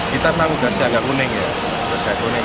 kita memang udah siang gak kuning ya udah siang kuning